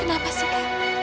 kenapa sih kak